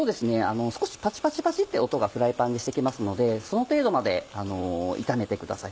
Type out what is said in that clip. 少しパチパチパチって音がフライパンでして来ますのでその程度まで炒めてください